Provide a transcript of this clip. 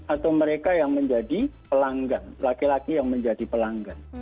atau mereka yang menjadi pelanggan laki laki yang menjadi pelanggan